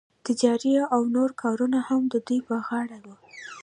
نجاري او نور کارونه هم د دوی په غاړه وو.